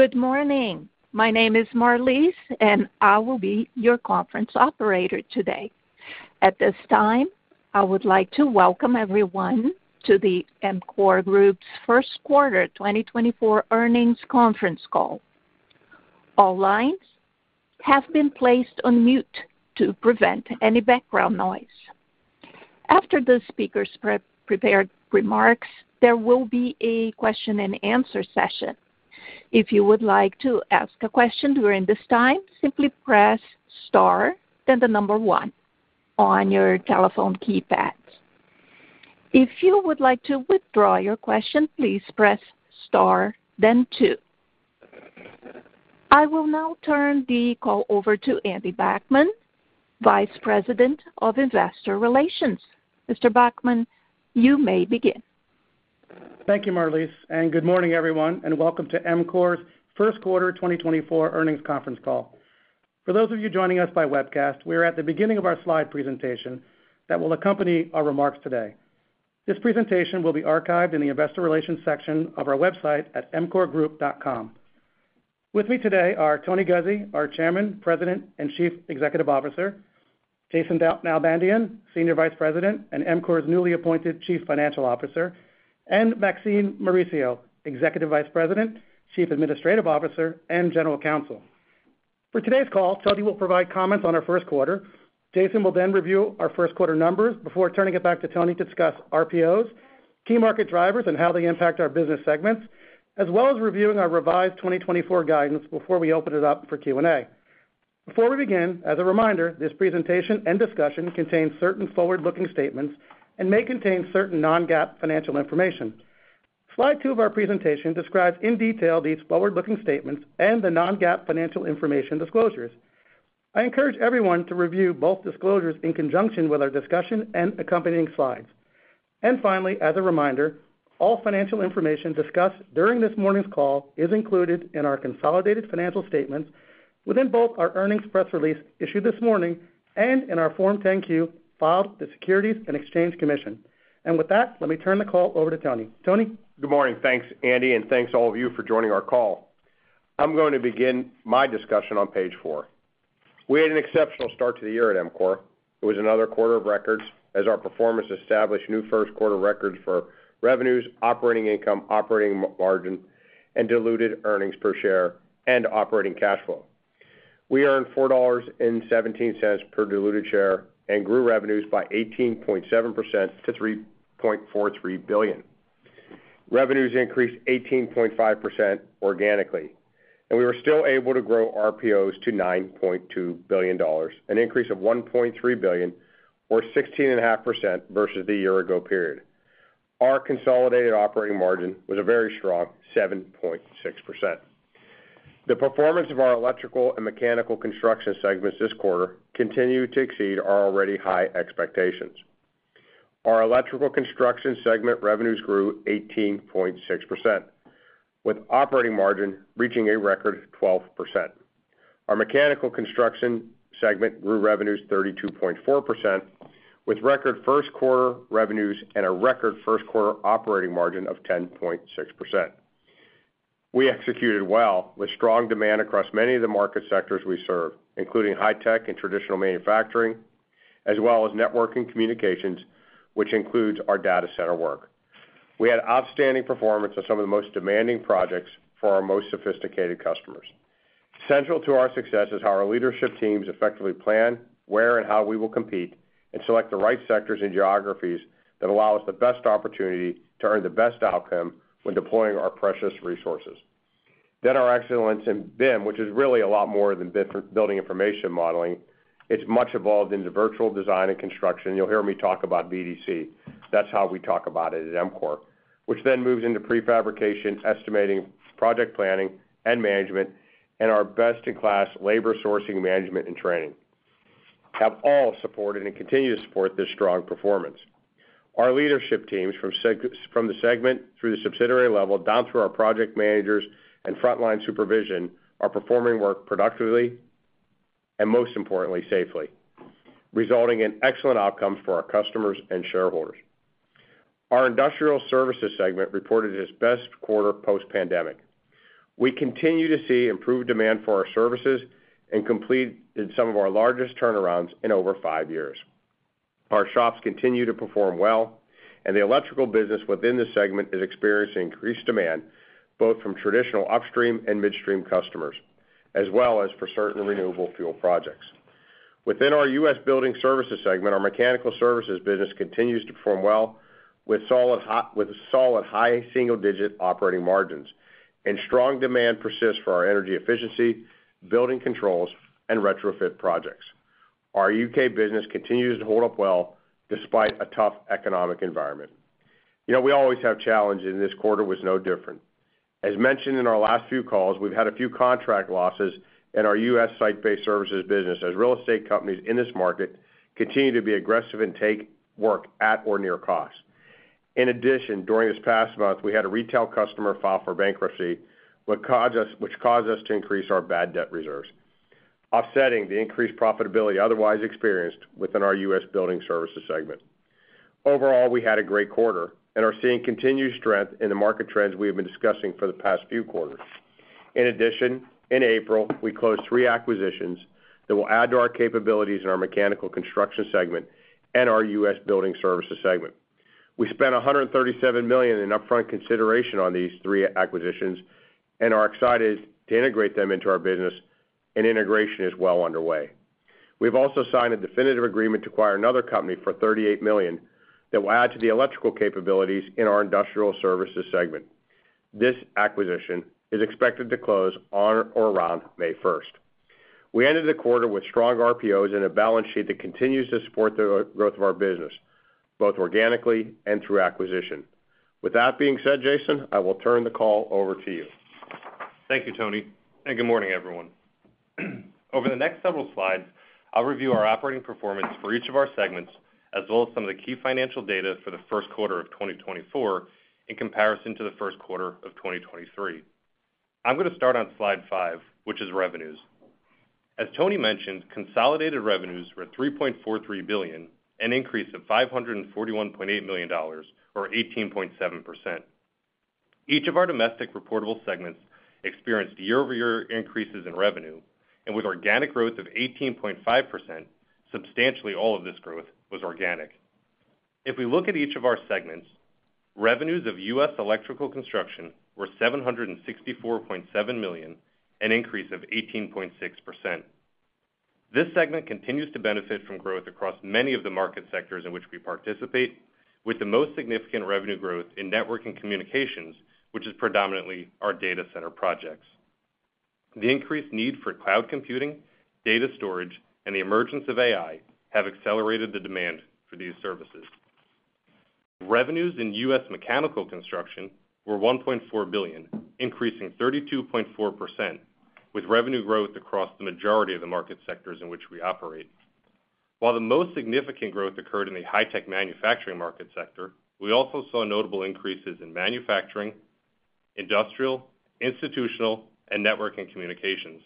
Good morning. My name is Marlise, and I will be your conference operator today. At this time, I would like to welcome everyone to the EMCOR Group's First Quarter 2024 Earnings Conference Call. All lines have been placed on mute to prevent any background noise. After the speakers prepare remarks, there will be a question-and-answer session. If you would like to ask a question during this time, simply press star, then the number one on your telephone keypad. If you would like to withdraw your question, please press star, then two. I will now turn the call over to Andy Backman, Vice President of Investor Relations. Mr. Backman, you may begin. Thank you, Marlise, and good morning, everyone, and welcome to EMCOR's First Quarter 2024 Earnings Conference Call. For those of you joining us by webcast, we are at the beginning of our slide presentation that will accompany our remarks today. This presentation will be archived in the Investor Relations section of our website at emcorgroup.com. With me today are Tony Guzzi, our Chairman, President, and Chief Executive Officer; Jason Nalbandian, Senior Vice President and EMCOR's newly appointed Chief Financial Officer; and Maxine Mauricio, Executive Vice President, Chief Administrative Officer, and General Counsel. For today's call, Tony will provide comments on our first quarter. Jason will then review our first quarter numbers before turning it back to Tony to discuss RPOs, key market drivers, and how they impact our business segments, as well as reviewing our revised 2024 guidance before we open it up for Q&A. Before we begin, as a reminder, this presentation and discussion contain certain forward-looking statements and may contain certain non-GAAP financial information. Slide 2 of our presentation describes in detail these forward-looking statements and the non-GAAP financial information disclosures. I encourage everyone to review both disclosures in conjunction with our discussion and accompanying slides. Finally, as a reminder, all financial information discussed during this morning's call is included in our consolidated financial statements within both our earnings press release issued this morning and in our Form 10-Q filed with the Securities and Exchange Commission. With that, let me turn the call over to Tony. Tony? Good morning. Thanks, Andy, and thanks all of you for joining our call. I'm going to begin my discussion on page 4. We had an exceptional start to the year at EMCOR. It was another quarter of records as our performance established new first-quarter records for revenues, operating income, operating margin, and diluted earnings per share and operating cash flow. We earned $4.17 per diluted share and grew revenues by 18.7% to $3.43 billion. Revenues increased 18.5% organically, and we were still able to grow RPOs to $9.2 billion, an increase of $1.3 billion or 16.5% versus the year-ago period. Our consolidated operating margin was a very strong 7.6%. The performance of our Electrical and Mechanical Construction segments this quarter continued to exceed our already high expectations. Our Electrical Construction segment revenues grew 18.6%, with operating margin reaching a record 12%. Our Mechanical Construction segment grew revenues 32.4%, with record first quarter revenues and a record first quarter operating margin of 10.6%. We executed well with strong demand across many of the market sectors we serve, including high-tech and traditional manufacturing, as well as network and communications, which includes our data center work. We had outstanding performance on some of the most demanding projects for our most sophisticated customers. Central to our success is how our leadership teams effectively plan, where, and how we will compete, and select the right sectors and geographies that allow us the best opportunity to earn the best outcome when deploying our precious resources. Then our excellence in BIM, which is really a lot more than Building Information Modeling, it's much evolved into Virtual Design and Construction. You'll hear me talk about VDC. That's how we talk about it at EMCOR, which then moves into prefabrication, estimating, project planning, and management, and our best-in-class labor sourcing, management, and training have all supported and continue to support this strong performance. Our leadership teams from the segment through the subsidiary level down through our project managers and frontline supervision are performing work productively and, most importantly, safely, resulting in excellent outcomes for our customers and shareholders. Our Industrial Services segment reported its best quarter post-pandemic. We continue to see improved demand for our services and completed some of our largest turnarounds in over five years. Our shops continue to perform well, and the Electrical business within the segment is experiencing increased demand both from traditional upstream and midstream customers, as well as for certain renewable fuel projects. Within our U.S. Building Services segment, our Mechanical Services business continues to perform well with solid high single-digit operating margins, and strong demand persists for our energy efficiency, building controls, and retrofit projects. Our U.K. business continues to hold up well despite a tough economic environment. We always have challenges, and this quarter was no different. As mentioned in our last few calls, we've had a few contract losses, and our U.S. site-based services business, as real estate companies in this market continue to be aggressive in taking work at or near cost. In addition, during this past month, we had a retail customer file for bankruptcy, which caused us to increase our bad debt reserves, offsetting the increased profitability otherwise experienced within our U.S. Building Services segment. Overall, we had a great quarter and are seeing continued strength in the market trends we have been discussing for the past few quarters. In addition, in April, we closed three acquisitions that will add to our capabilities in our Mechanical Construction segment and our U.S. Building Services segment. We spent $137 million in upfront consideration on these three acquisitions and are excited to integrate them into our business, and integration is well underway. We've also signed a definitive agreement to acquire another company for $38 million that will add to the electrical capabilities in our Industrial Services segment. This acquisition is expected to close on or around May 1st. We ended the quarter with strong RPOs and a balance sheet that continues to support the growth of our business, both organically and through acquisition. With that being said, Jason, I will turn the call over to you. Thank you, Tony, and good morning, everyone. Over the next several slides, I'll review our operating performance for each of our segments, as well as some of the key financial data for the first quarter of 2024 in comparison to the first quarter of 2023. I'm going to start on slide 5, which is revenues. As Tony mentioned, consolidated revenues were $3.43 billion, an increase of $541.8 million or 18.7%. Each of our domestic reportable segments experienced year-over-year increases in revenue, and with organic growth of 18.5%, substantially all of this growth was organic. If we look at each of our segments, revenues of U.S. Electrical Construction were $764.7 million, an increase of 18.6%. This segment continues to benefit from growth across many of the market sectors in which we participate, with the most significant revenue growth in network and communications, which is predominantly our data center projects. The increased need for cloud computing, data storage, and the emergence of AI have accelerated the demand for these services. Revenues in U.S. Mechanical Construction were $1.4 billion, increasing 32.4%, with revenue growth across the majority of the market sectors in which we operate. While the most significant growth occurred in the high-tech manufacturing market sector, we also saw notable increases in manufacturing, industrial, institutional, and network and communications.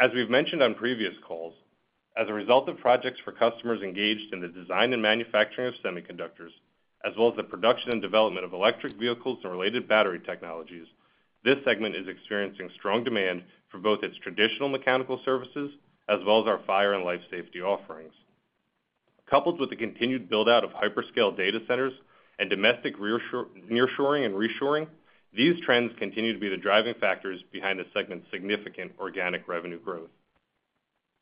As we've mentioned on previous calls, as a result of projects for customers engaged in the design and manufacturing of semiconductors, as well as the production and development of electric vehicles and related battery technologies, this segment is experiencing strong demand for both its traditional Mechanical Services as well as our fire and life safety offerings. Coupled with the continued buildout of hyperscale data centers and domestic nearshoring and reshoring, these trends continue to be the driving factors behind the segment's significant organic revenue growth.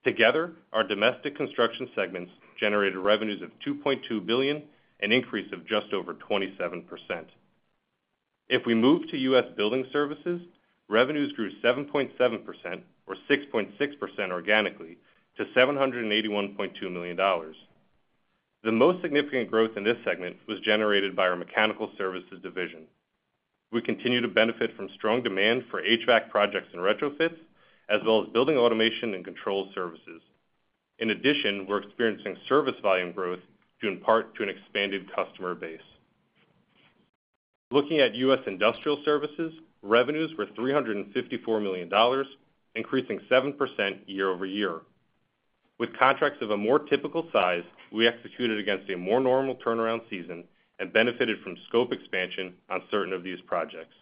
Together, our Domestic Construction segments generated revenues of $2.2 billion, an increase of just over 27%. If we move to U.S. Building Services revenues grew 7.7% or 6.6% organically to $781.2 million. The most significant growth in this segment was generated by our Mechanical Services division. We continue to benefit from strong demand for HVAC projects and retrofits, as well as building automation and control services. In addition, we're experiencing service volume growth due in part to an expanded customer base. Looking at U.S. Industrial Services, revenues were $354 million, increasing 7% year-over-year. With contracts of a more typical size, we executed against a more normal turnaround season and benefited from scope expansion on certain of these projects.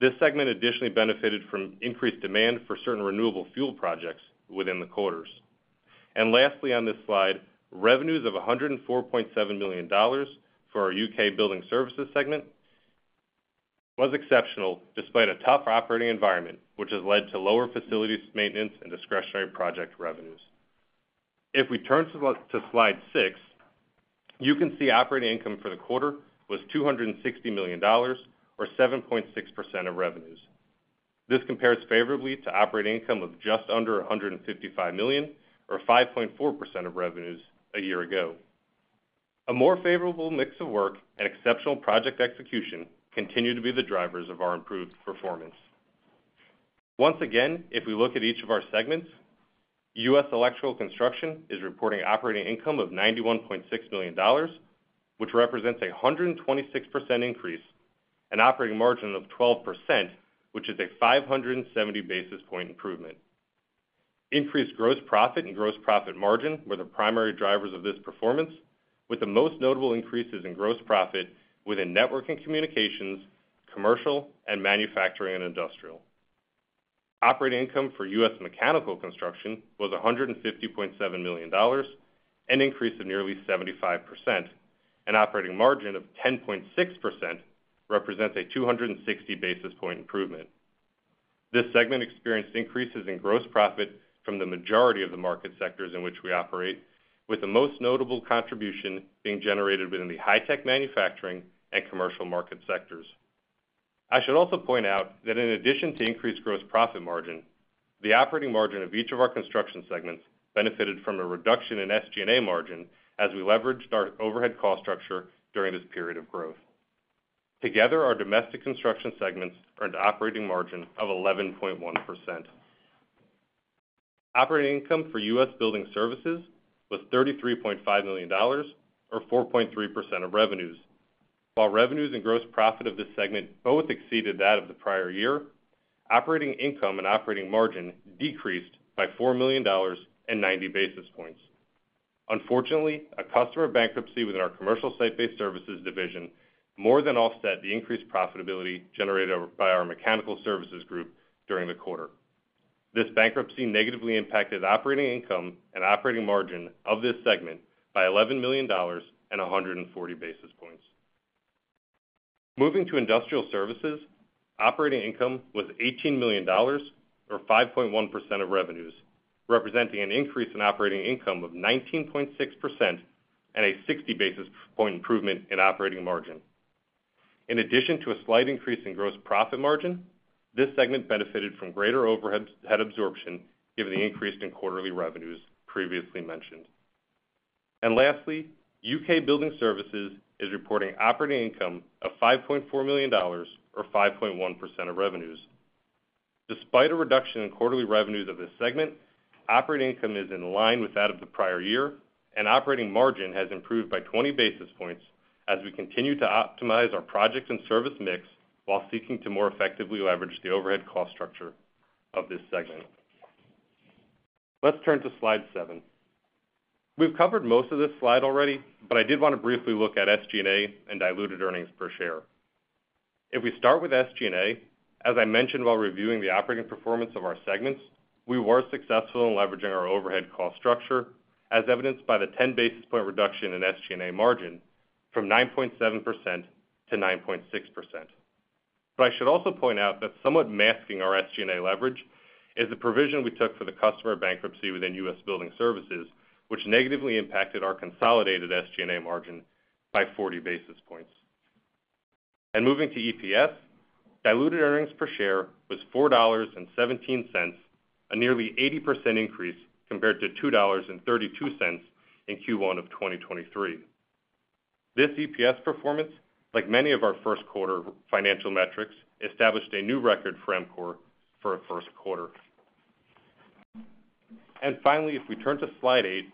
This segment additionally benefited from increased demand for certain renewable fuel projects within the quarters. Lastly, on this slide, revenues of $104.7 million for our U.K. Building Services segment was exceptional despite a tough operating environment, which has led to lower facilities maintenance and discretionary project revenues. If we turn to slide 6, you can see operating income for the quarter was $260 million or 7.6% of revenues. This compares favorably to operating income of just under $155 million or 5.4% of revenues a year ago. A more favorable mix of work and exceptional project execution continue to be the drivers of our improved performance. Once again, if we look at each of our segments, U.S. Electrical Construction is reporting operating income of $91.6 million, which represents a 126% increase, an operating margin of 12%, which is a 570 basis point improvement. Increased gross profit and gross profit margin were the primary drivers of this performance, with the most notable increases in gross profit within network and communications, commercial, and manufacturing and industrial. Operating income for U.S. Mechanical Construction was $150.7 million, an increase of nearly 75%. An operating margin of 10.6% represents a 260 basis point improvement. This segment experienced increases in gross profit from the majority of the market sectors in which we operate, with the most notable contribution being generated within the high-tech manufacturing and commercial market sectors. I should also point out that in addition to increased gross profit margin, the operating margin of each of our construction segments benefited from a reduction in SG&A margin as we leveraged our overhead cost structure during this period of growth. Together, our domestic construction segments earned an operating margin of 11.1%. Operating income for U.S. Building Services was $33.5 million or 4.3% of revenues. While revenues and gross profit of this segment both exceeded that of the prior year, operating income and operating margin decreased by $4 million and 90 basis points. Unfortunately, a customer bankruptcy within our commercial site-based services division more than offset the increased profitability generated by our Mechanical Services group during the quarter. This bankruptcy negatively impacted operating income and operating margin of this segment by $11 million and 140 basis points. Moving to Industrial Services, operating income was $18 million or 5.1% of revenues, representing an increase in operating income of 19.6% and a 60 basis point improvement in operating margin. In addition to a slight increase in gross profit margin, this segment benefited from greater overhead absorption given the increase in quarterly revenues previously mentioned. Lastly, U.K. Building Services is reporting operating income of $5.4 million or 5.1% of revenues. Despite a reduction in quarterly revenues of this segment, operating income is in line with that of the prior year, and operating margin has improved by 20 basis points as we continue to optimize our project and service mix while seeking to more effectively leverage the overhead cost structure of this segment. Let's turn to slide 7. We've covered most of this slide already, but I did want to briefly look at SG&A and diluted earnings per share. If we start with SG&A, as I mentioned while reviewing the operating performance of our segments, we were successful in leveraging our overhead cost structure, as evidenced by the 10 basis point reduction in SG&A margin from 9.7%-9.6%. I should also point out that somewhat masking our SG&A leverage is the provision we took for the customer bankruptcy within U.S. Building Services, which negatively impacted our consolidated SG&A margin by 40 basis points. Moving to EPS, diluted earnings per share was $4.17, a nearly 80% increase compared to $2.32 in Q1 of 2023. This EPS performance, like many of our first-quarter financial metrics, established a new record for EMCOR for a first quarter. Finally, if we turn to slide 8,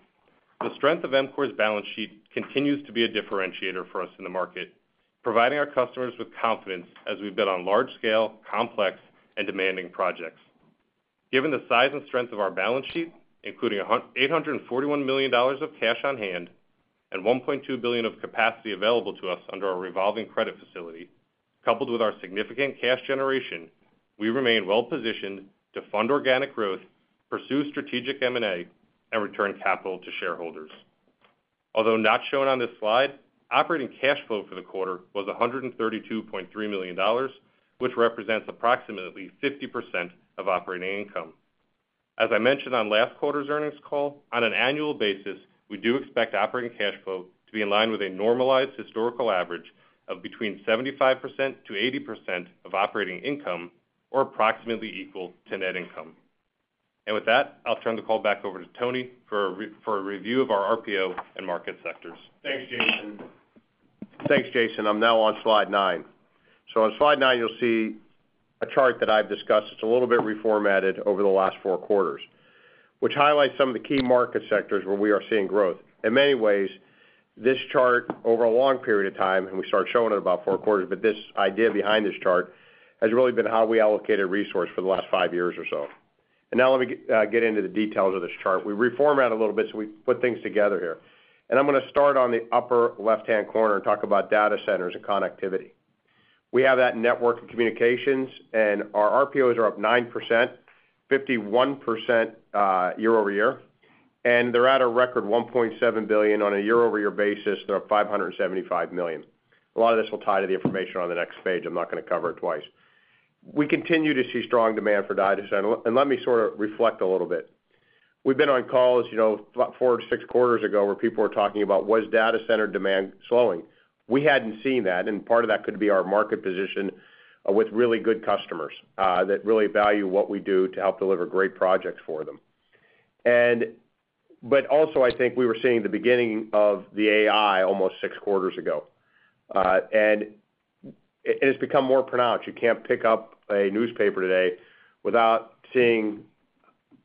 the strength of EMCOR's balance sheet continues to be a differentiator for us in the market, providing our customers with confidence as we bid on large-scale, complex, and demanding projects. Given the size and strength of our balance sheet, including $841 million of cash on hand and $1.2 billion of capacity available to us under our revolving credit facility, coupled with our significant cash generation, we remain well-positioned to fund organic growth, pursue strategic M&A, and return capital to shareholders. Although not shown on this slide, operating cash flow for the quarter was $132.3 million, which represents approximately 50% of operating income. As I mentioned on last quarter's earnings call, on an annual basis, we do expect operating cash flow to be in line with a normalized historical average of between 75%-80% of operating income or approximately equal to net income. With that, I'll turn the call back over to Tony for a review of our RPO and market sectors. Thanks, Jason. I'm now on slide 9. So on slide 9, you'll see a chart that I've discussed. It's a little bit reformatted over the last four quarters, which highlights some of the key market sectors where we are seeing growth. In many ways, this chart over a long period of time and we start showing it about four quarters, but this idea behind this chart has really been how we allocated resource for the last five years or so. And now let me get into the details of this chart. We reformat a little bit so we put things together here. And I'm going to start on the upper left-hand corner and talk about data centers and connectivity. We have that network and communications, and our RPOs are up 9%, 51% year-over-year. And they're at a record $1.7 billion. On a year-over-year basis, they're up $575 million. A lot of this will tie to the information on the next page. I'm not going to cover it twice. We continue to see strong demand for data centers. Let me sort of reflect a little bit. We've been on calls 4-6 quarters ago where people were talking about, "Was data center demand slowing?" We hadn't seen that. Part of that could be our market position with really good customers that really value what we do to help deliver great projects for them. But also, I think we were seeing the beginning of the AI almost 6 quarters ago. And it's become more pronounced. You can't pick up a newspaper today without seeing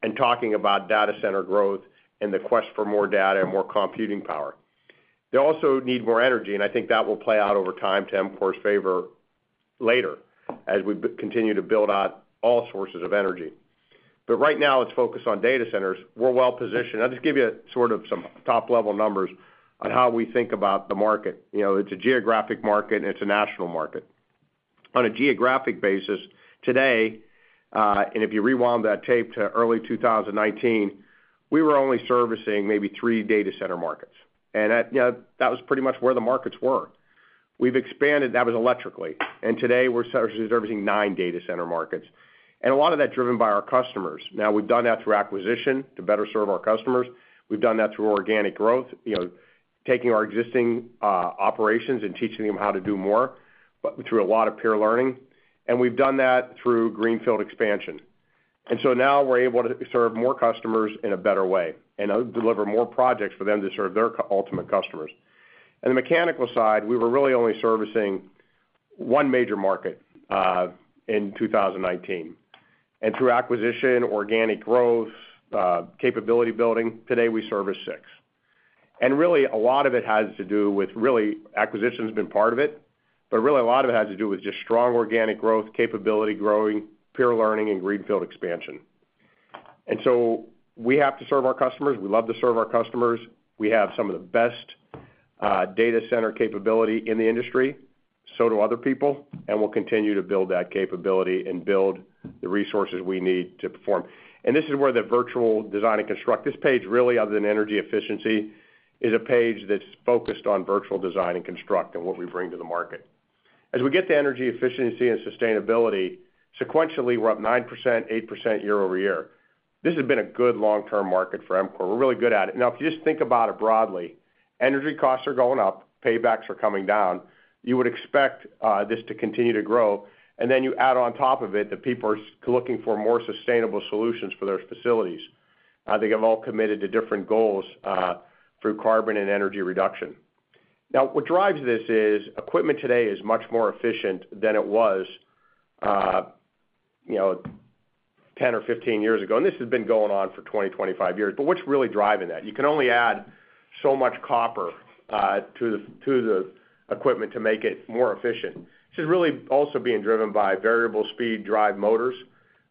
and talking about data center growth and the quest for more data and more computing power. They also need more energy. I think that will play out over time to EMCOR's favor later as we continue to build out all sources of energy. But right now, let's focus on data centers. We're well-positioned. I'll just give you sort of some top-level numbers on how we think about the market. It's a geographic market, and it's a national market. On a geographic basis, today and if you rewound that tape to early 2019, we were only servicing maybe 3 data center markets. And that was pretty much where the markets were. We've expanded. That was electrically. And today, we're servicing 9 data center markets. And a lot of that driven by our customers. Now, we've done that through acquisition to better serve our customers. We've done that through organic growth, taking our existing operations and teaching them how to do more through a lot of peer learning. We've done that through greenfield expansion. Now, we're able to serve more customers in a better way and deliver more projects for them to serve their ultimate customers. On the mechanical side, we were really only servicing one major market in 2019. Through acquisition, organic growth, capability building, today, we service six. Really, a lot of it has to do with really, acquisition's been part of it. But really, a lot of it has to do with just strong organic growth, capability growing, peer learning, and greenfield expansion. We have to serve our customers. We love to serve our customers. We have some of the best data center capability in the industry. So do other people. We'll continue to build that capability and build the resources we need to perform. This is where the Virtual Design and Construction. This page, really, other than energy efficiency, is a page that's focused on virtual design and construction and what we bring to the market. As we get to energy efficiency and sustainability, sequentially, we're up 9%, 8% year-over-year. This has been a good long-term market for EMCOR. We're really good at it. Now, if you just think about it broadly, energy costs are going up. Paybacks are coming down. You would expect this to continue to grow. And then you add on top of it that people are looking for more sustainable solutions for their facilities. They have all committed to different goals through carbon and energy reduction. Now, what drives this is equipment today is much more efficient than it was 10 or 15 years ago. And this has been going on for 20, 25 years. But what's really driving that? You can only add so much copper to the equipment to make it more efficient. This is really also being driven by variable-speed drive motors,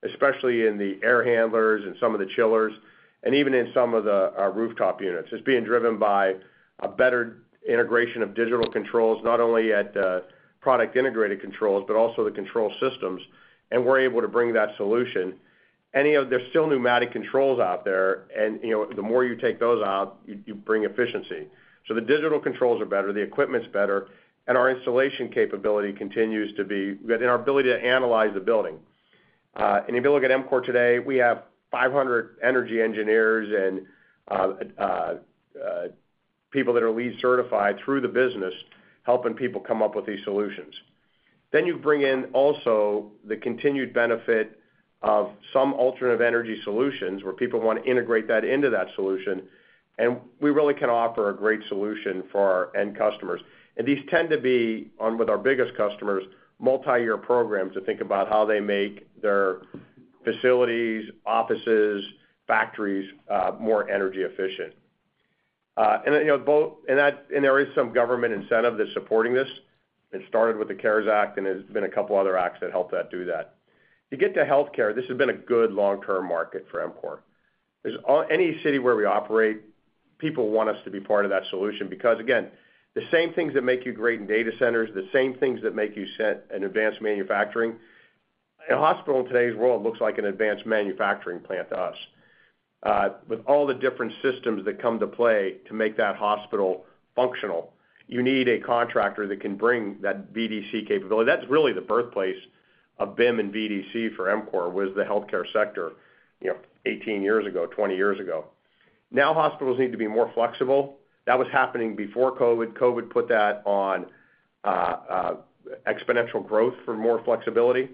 especially in the air handlers and some of the chillers and even in some of the rooftop units. It's being driven by a better integration of digital controls, not only at product-integrated controls but also the control systems. And we're able to bring that solution. There's still pneumatic controls out there. And the more you take those out, you bring efficiency. So the digital controls are better. The equipment's better. And our installation capability continues to be and our ability to analyze the building. And if you look at EMCOR today, we have 500 energy engineers and people that are LEED certified through the business helping people come up with these solutions. Then you bring in also the continued benefit of some alternative energy solutions where people want to integrate that into that solution. We really can offer a great solution for our end customers. These tend to be, with our biggest customers, multi-year programs to think about how they make their facilities, offices, factories more energy efficient. There is some government incentive that's supporting this. It started with the CARES Act and there's been a couple other acts that helped that do that. You get to healthcare. This has been a good long-term market for EMCOR. Any city where we operate, people want us to be part of that solution because, again, the same things that make you great in data centers, the same things that make you great in advanced manufacturing. A hospital in today's world looks like an advanced manufacturing plant to us. With all the different systems that come to play to make that hospital functional, you need a contractor that can bring that VDC capability. That's really the birthplace of BIM and VDC for EMCOR was the healthcare sector 18 years ago, 20 years ago. Now, hospitals need to be more flexible. That was happening before COVID. COVID put that on exponential growth for more flexibility.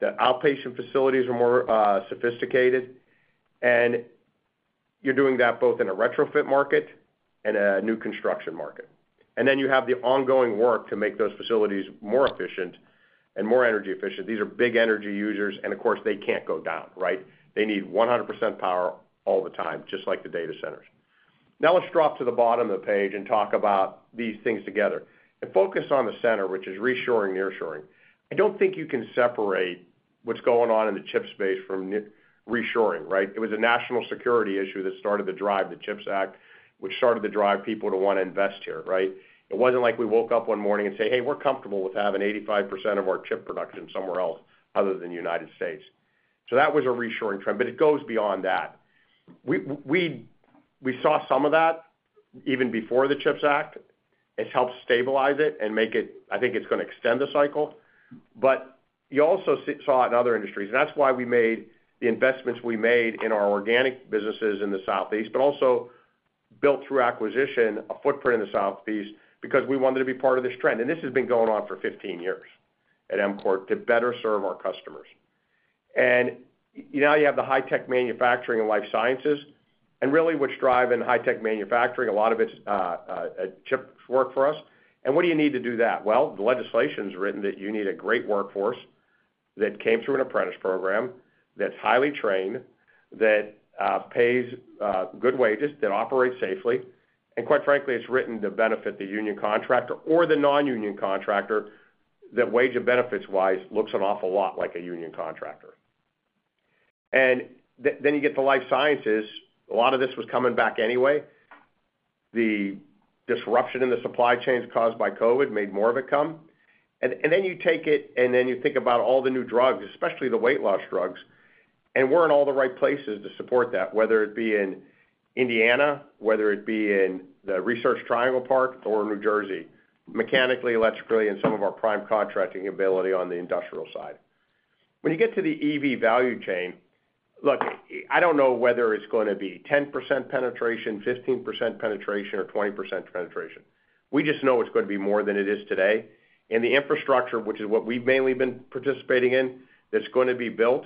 The outpatient facilities are more sophisticated. And you're doing that both in a retrofit market and a new construction market. And then you have the ongoing work to make those facilities more efficient and more energy efficient. These are big energy users. And of course, they can't go down, right? They need 100% power all the time, just like the data centers. Now, let's drop to the bottom of the page and talk about these things together and focus on the center, which is reshoring, nearshoring. I don't think you can separate what's going on in the chip space from reshoring, right? It was a national security issue that started to drive the CHIPS Act, which started to drive people to want to invest here, right? It wasn't like we woke up one morning and said, "Hey, we're comfortable with having 85% of our chip production somewhere else other than the United States." So that was a reshoring trend. But it goes beyond that. We saw some of that even before the CHIPS Act. It's helped stabilize it and make it. I think it's going to extend the cycle. But you also saw it in other industries. And that's why we made the investments we made in our organic businesses in the Southeast, but also built through acquisition a footprint in the Southeast because we wanted to be part of this trend. And this has been going on for 15 years at EMCOR to better serve our customers. And now, you have the high-tech manufacturing and life sciences. And really, what's driving high-tech manufacturing, a lot of it's chips work for us. And what do you need to do that? Well, the legislation's written that you need a great workforce that came through an apprentice program, that's highly trained, that pays good wages, that operates safely. And quite frankly, it's written to benefit the union contractor or the non-union contractor that wage and benefits-wise looks an awful lot like a union contractor. And then you get the life sciences. A lot of this was coming back anyway. The disruption in the supply chains caused by COVID made more of it come. And then you take it, and then you think about all the new drugs, especially the weight loss drugs. And we're in all the right places to support that, whether it be in Indiana, whether it be in the Research Triangle Park or New Jersey, mechanically, electrically, and some of our prime contracting ability on the industrial side. When you get to the EV value chain look, I don't know whether it's going to be 10% penetration, 15% penetration, or 20% penetration. We just know it's going to be more than it is today. And the infrastructure, which is what we've mainly been participating in, that's going to be built,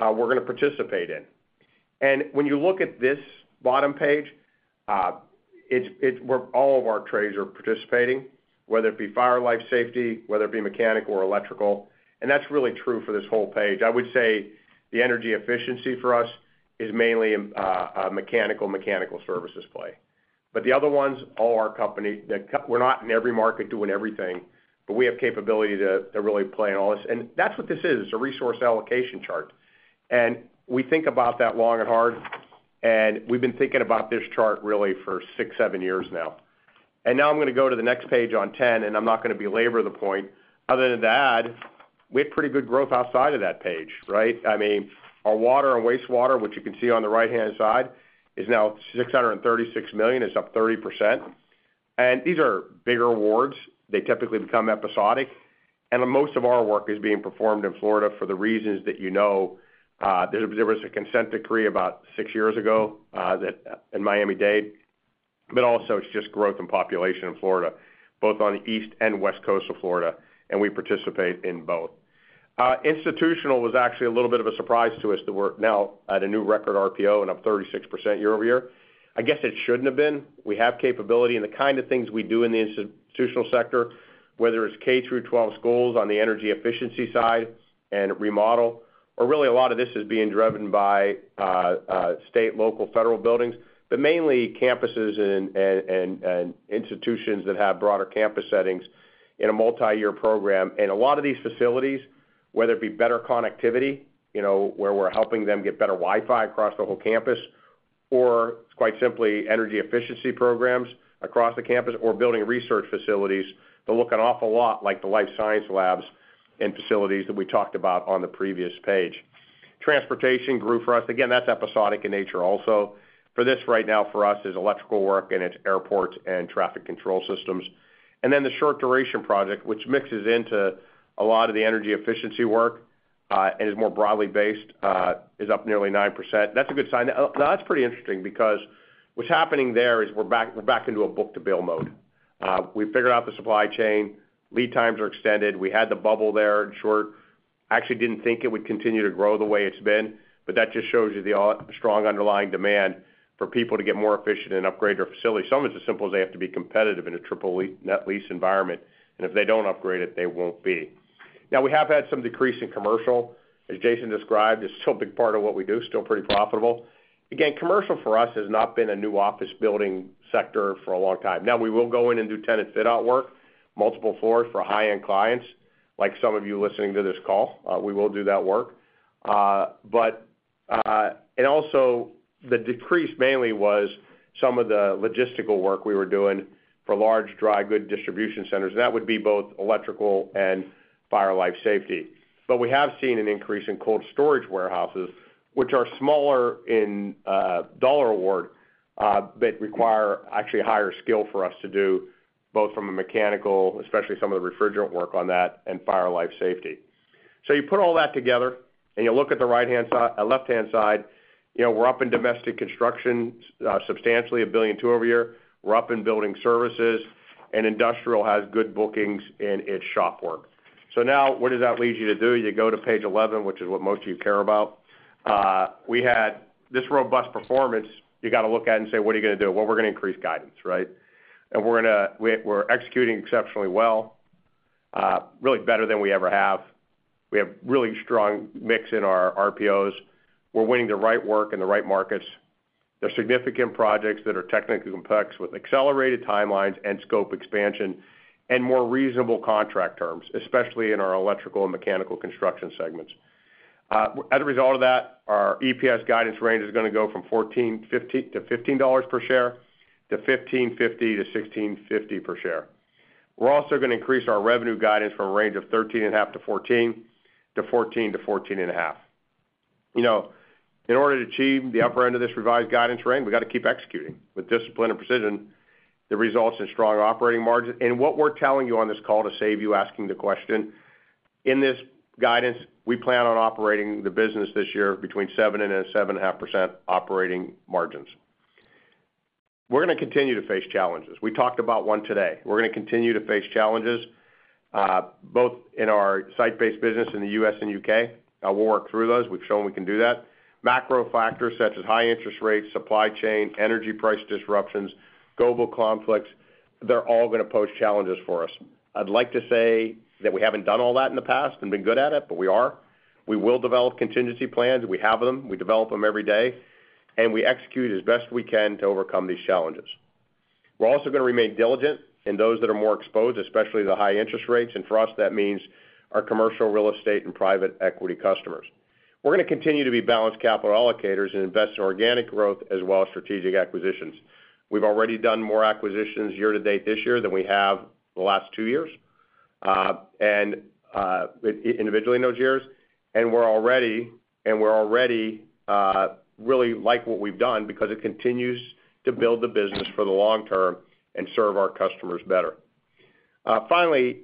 we're going to participate in. When you look at this bottom page, all of our trades are participating, whether it be fire, life, safety, whether it be mechanical or electrical. That's really true for this whole page. I would say the energy efficiency for us is mainly mechanical, Mechanical Services play. But the other ones, all our company we're not in every market doing everything. But we have capability to really play in all this. And that's what this is. It's a resource allocation chart. And we think about that long and hard. And we've been thinking about this chart, really, for 6, 7 years now. And now, I'm going to go to the next page on 10. And I'm not going to belabor the point. Other than that, we had pretty good growth outside of that page, right? I mean, our water and wastewater, which you can see on the right-hand side, is now $636 million. It's up 30%. And these are bigger awards. They typically become episodic. And most of our work is being performed in Florida for the reasons that you know. There was a consent decree about six years ago in Miami-Dade. But also, it's just growth and population in Florida, both on the east and west coast of Florida. And we participate in both. Institutional was actually a little bit of a surprise to us that we're now at a new record RPO and up 36% year-over-year. I guess it shouldn't have been. We have capability. And the kind of things we do in the institutional sector, whether it's K-12 schools on the energy efficiency side and remodel, or really, a lot of this is being driven by state, local, federal buildings, but mainly campuses and institutions that have broader campus settings in a multi-year program. And a lot of these facilities, whether it be better connectivity where we're helping them get better Wi-Fi across the whole campus or, quite simply, energy efficiency programs across the campus or building research facilities, they're looking awful lot like the life science labs and facilities that we talked about on the previous page. Transportation grew for us. Again, that's episodic in nature also. For this right now, for us, is electrical work. And it's airports and traffic control systems. And then the short-duration project, which mixes into a lot of the energy efficiency work and is more broadly based, is up nearly 9%. That's a good sign. Now, that's pretty interesting because what's happening there is we're back into a Book-to-Bill mode. We've figured out the supply chain. Lead times are extended. We had the bubble there. In short, I actually didn't think it would continue to grow the way it's been. But that just shows you the strong underlying demand for people to get more efficient and upgrade their facility. Some of it's as simple as they have to be competitive in a Triple Net Lease environment. And if they don't upgrade it, they won't be. Now, we have had some decrease in commercial. As Jason described, it's still a big part of what we do, still pretty profitable. Again, commercial for us has not been a new office-building sector for a long time. Now, we will go in and do tenant fit-out work, multiple floors for high-end clients, like some of you listening to this call. We will do that work. And also, the decrease mainly was some of the logistical work we were doing for large, dry goods distribution centers. And that would be both electrical and fire, life, safety. But we have seen an increase in cold storage warehouses, which are smaller in dollar award but require actually higher skill for us to do both from a mechanical, especially some of the refrigerant work on that, and fire, life, safety. So you put all that together. And you look at the left-hand side, we're up in domestic construction substantially, $1.2 billion over a year. We're up in Building Services. Industrial has good bookings in its shop work. So now, what does that lead you to do? You go to page 11, which is what most of you care about. We had this robust performance. You got to look at it and say, "What are you going to do?" "Well, we're going to increase guidance," right? And we're executing exceptionally well, really better than we ever have. We have a really strong mix in our RPOs. We're winning the right work in the right markets. There's significant projects that are technically complex with accelerated timelines and scope expansion and more reasonable contract terms, especially in our Electrical and Mechanical Construction segments. As a result of that, our EPS guidance range is going to go from $14-$15 per share to $15.50-$16.50 per share. We're also going to increase our revenue guidance from a range of $13.5-$14 to $14-$14.5. In order to achieve the upper end of this revised guidance range, we got to keep executing with discipline and precision. The results and strong operating margins. And what we're telling you on this call to save you asking the question, in this guidance, we plan on operating the business this year between 7%-7.5% operating margins. We're going to continue to face challenges. We talked about one today. We're going to continue to face challenges both in our site-based business in the U.S. and U.K. We'll work through those. We've shown we can do that. Macro factors such as high interest rates, supply chain, energy price disruptions, global conflicts, they're all going to pose challenges for us. I'd like to say that we haven't done all that in the past and been good at it, but we are. We will develop contingency plans. We have them. We develop them every day. And we execute as best we can to overcome these challenges. We're also going to remain diligent in those that are more exposed, especially the high interest rates. And for us, that means our commercial, real estate, and private equity customers. We're going to continue to be balanced capital allocators and invest in organic growth as well as strategic acquisitions. We've already done more acquisitions year to date this year than we have the last two years and individually in those years. And we're already really like what we've done because it continues to build the business for the long term and serve our customers better. Finally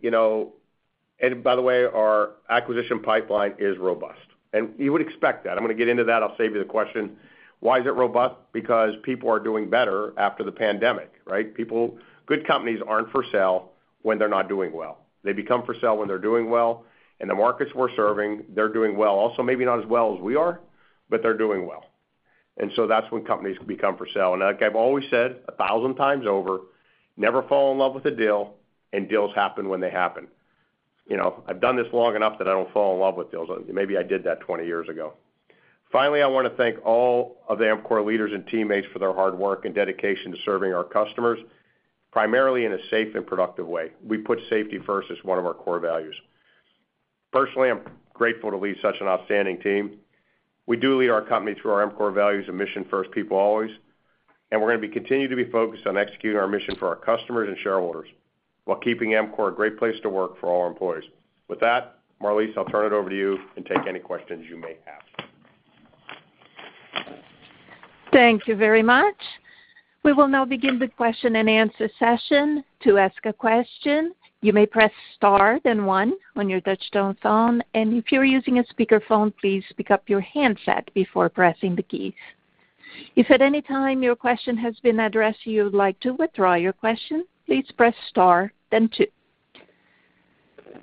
and by the way, our acquisition pipeline is robust. And you would expect that. I'm going to get into that. I'll save you the question, "Why is it robust?" Because people are doing better after the pandemic, right? Good companies aren't for sale when they're not doing well. They become for sale when they're doing well. And the markets we're serving, they're doing well. Also, maybe not as well as we are, but they're doing well. And so that's when companies become for sale. And I've always said a thousand times over, "Never fall in love with a deal. And deals happen when they happen." I've done this long enough that I don't fall in love with deals. Maybe I did that 20 years ago. Finally, I want to thank all of the EMCOR leaders and teammates for their hard work and dedication to serving our customers, primarily in a safe and productive way. We put safety first as one of our core values. Personally, I'm grateful to lead such an outstanding team. We do lead our company through our EMCOR values and mission first, people always. We're going to continue to be focused on executing our mission for our customers and shareholders while keeping EMCOR a great place to work for all our employees. With that, Marlise, I'll turn it over to you and take any questions you may have. Thank you very much. We will now begin the question-and-answer session. To ask a question, you may press star and one on your touch-tone phone. And if you're using a speakerphone, please pick up your handset before pressing the keys. If at any time your question has been addressed, you would like to withdraw your question, please press star, then two.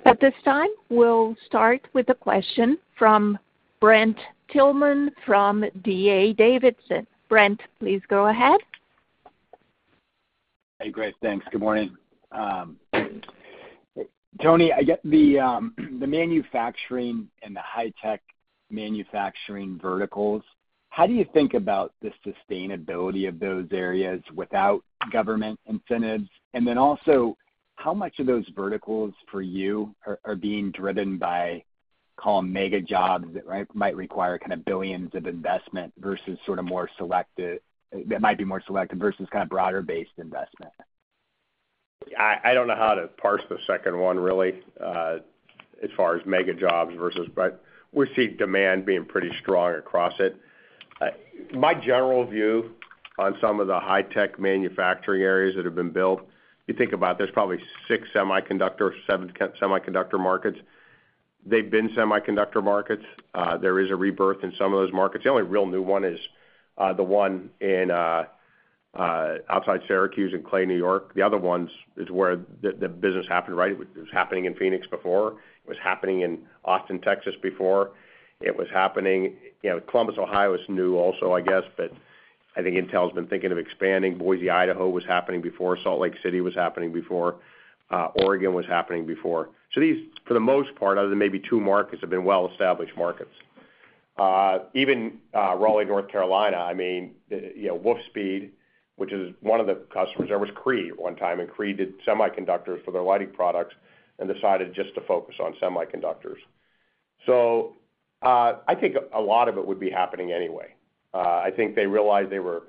At this time, we'll start with a question from Brent Thielman from D.A. Davidson. Brent, please go ahead. Hey, Great. Thanks. Good morning. Tony, I guess the manufacturing and the high-tech manufacturing verticals, how do you think about the sustainability of those areas without government incentives? And then also, how much of those verticals for you are being driven by, call them, mega jobs that might require kind of billions of investment versus sort of more selective that might be more selective versus kind of broader-based investment? I don't know how to parse the second one, really, as far as mega jobs versus but we see demand being pretty strong across it. My general view on some of the high-tech manufacturing areas that have been built you think about, there's probably six semiconductor or seven semiconductor markets. They've been semiconductor markets. There is a rebirth in some of those markets. The only real new one is the one outside Syracuse and Clay, New York. The other ones is where the business happened, right? It was happening in Phoenix before. It was happening in Austin, Texas before. It was happening Columbus, Ohio is new also, I guess. But I think Intel's been thinking of expanding. Boise, Idaho was happening before. Salt Lake City was happening before. Oregon was happening before. So these, for the most part, other than maybe two markets, have been well-established markets. Even Raleigh, North Carolina, I mean, Wolfspeed, which is one of the customers there, was Cree one time. And Cree did semiconductors for their lighting products and decided just to focus on semiconductors. So I think a lot of it would be happening anyway. I think they realized they were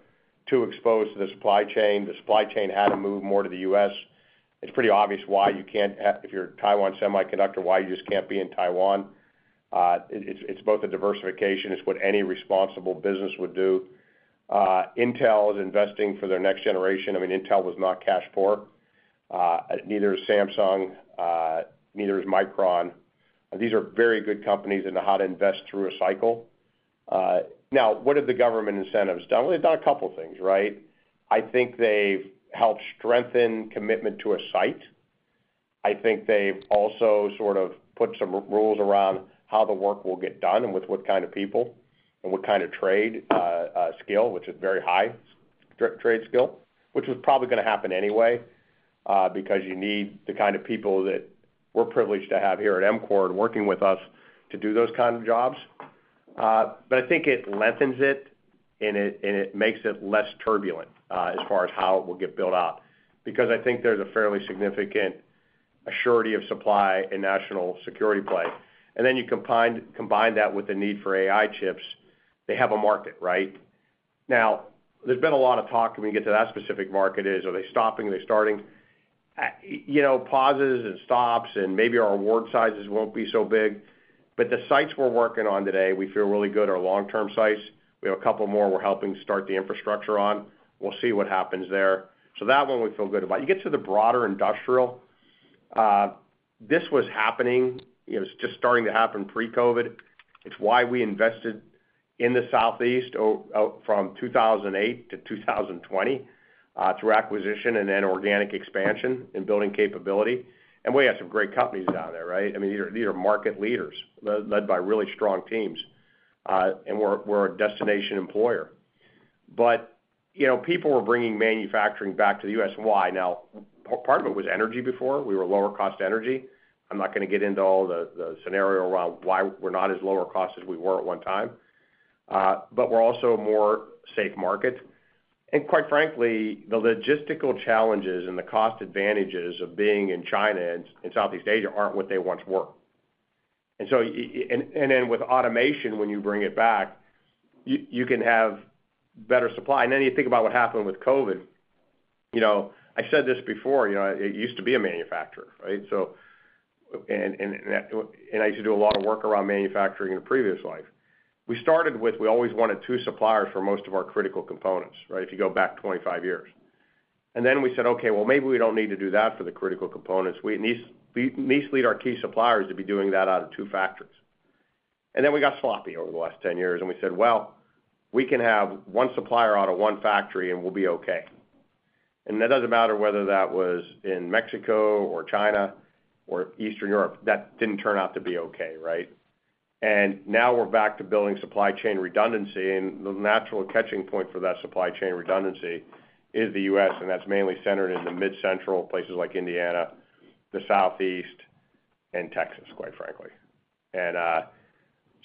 too exposed to the supply chain. The supply chain had to move more to the U.S. It's pretty obvious why you can't if you're a Taiwan Semiconductor, why you just can't be in Taiwan. It's both a diversification. It's what any responsible business would do. Intel is investing for their next generation. I mean, Intel was not cash poor. Neither is Samsung. Neither is Micron. These are very good companies in how to invest through a cycle. Now, what have the government incentives done? Well, they've done a couple of things, right? I think they've helped strengthen commitment to a site. I think they've also sort of put some rules around how the work will get done and with what kind of people and what kind of trade skill, which is very high trade skill, which was probably going to happen anyway because you need the kind of people that we're privileged to have here at EMCOR and working with us to do those kind of jobs. But I think it lengthens it. It makes it less turbulent as far as how it will get built out because I think there's a fairly significant assurance of supply and national security play. Then you combine that with the need for AI chips. They have a market, right? Now, there's been a lot of talk. Can we get to that specific market is? Are they stopping? Are they starting? Pauses and stops. And maybe our award sizes won't be so big. But the sites we're working on today, we feel really good are long-term sites. We have a couple more. We're helping start the infrastructure on. We'll see what happens there. So that one, we feel good about. You get to the broader industrial, this was happening. It was just starting to happen pre-COVID. It's why we invested in the Southeast from 2008 to 2020 through acquisition and then organic expansion and building capability. And we have some great companies down there, right? I mean, these are market leaders led by really strong teams. And we're a destination employer. But people were bringing manufacturing back to the U.S. Why? Now, part of it was energy before. We were lower-cost energy. I'm not going to get into all the scenario around why we're not as lower-cost as we were at one time. But we're also a more safe market. And quite frankly, the logistical challenges and the cost advantages of being in China and Southeast Asia aren't what they once were. And then with automation, when you bring it back, you can have better supply. And then you think about what happened with COVID. I said this before. It used to be a manufacturer, right? And I used to do a lot of work around manufacturing in a previous life. We started with we always wanted two suppliers for most of our critical components, right, if you go back 25 years. And then we said, "Okay. Well, maybe we don't need to do that for the critical components. These lead our key suppliers to be doing that out of two factories." And then we got sloppy over the last 10 years. And we said, "Well, we can have one supplier out of one factory. And we'll be okay." And that doesn't matter whether that was in Mexico or China or Eastern Europe. That didn't turn out to be okay, right? And now, we're back to building supply chain redundancy. And the natural catching point for that supply chain redundancy is the U.S. And that's mainly centered in the mid-central, places like Indiana, the Southeast, and Texas, quite frankly. And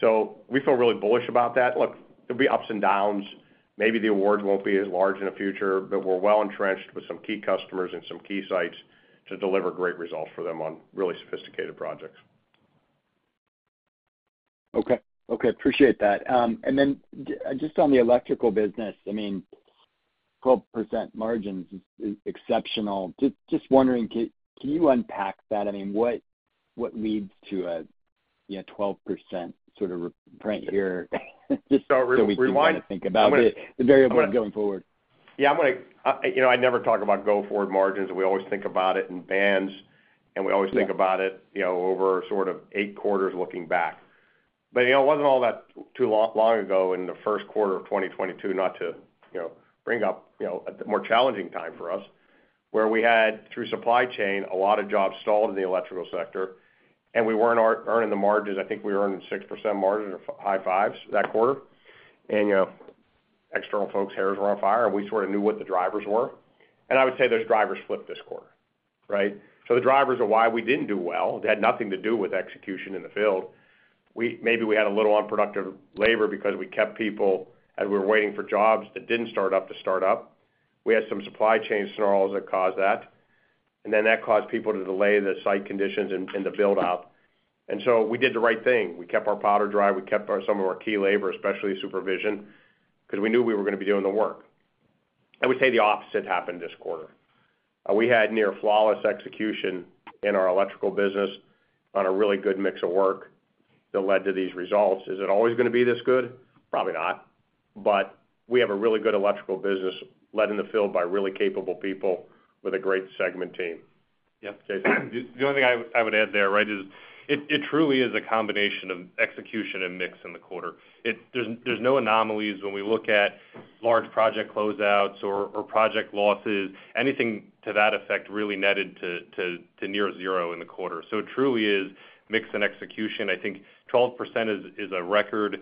so we feel really bullish about that. Look, there'll be ups and downs. Maybe the awards won't be as large in the future. But we're well entrenched with some key customers and some key sites to deliver great results for them on really sophisticated projects. Okay. Okay. Appreciate that. And then just on the Electrical business, I mean, 12% margins is exceptional. Just wondering, can you unpack that? I mean, what leads to a 12% sort of print here? Just so we can kind of think about it. The variable going forward. Yeah. I never talk about go-forward margins. We always think about it in bands. We always think about it over sort of 8 quarters looking back. But it wasn't all that too long ago in the first quarter of 2022, not to bring up a more challenging time for us, where we had, through supply chain, a lot of jobs stalled in the electrical sector. We weren't earning the margins. I think we earned 6% margin or high fives that quarter. External folks' hairs were on fire. We sort of knew what the drivers were. I would say those drivers flipped this quarter, right? So the drivers of why we didn't do well. It had nothing to do with execution in the field. Maybe we had a little unproductive labor because we kept people as we were waiting for jobs that didn't start up to start up. We had some supply chain snarls that caused that. And then that caused people to delay the site conditions and the build-out. And so we did the right thing. We kept our powder dry. We kept some of our key labor, especially supervision, because we knew we were going to be doing the work. I would say the opposite happened this quarter. We had near flawless execution in our Electrical business on a really good mix of work that led to these results. Is it always going to be this good? Probably not. But we have a really good Electrical business led in the field by really capable people with a great segment team. Jason. The only thing I would add there, right, is it truly is a combination of execution and mix in the quarter. There's no anomalies when we look at large project closeouts or project losses. Anything to that effect really netted to near zero in the quarter. So it truly is mix and execution. I think 12% is a record